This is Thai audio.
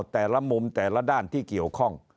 แต่ละมุมแต่ละด้านที่เกี่ยวข้อง